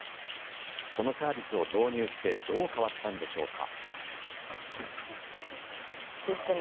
このサービスを導入してどう変わったんでしょうか。